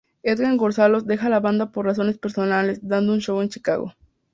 Edgardo Gonzales deja la banda por razones personales, dando un show en Chicago.